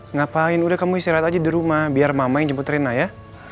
ngapain udah kamu istirahat aja di rumah biar mama main jemput rina ya